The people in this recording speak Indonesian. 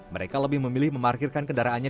mereka lebih memilih memarkirkan kendaraannya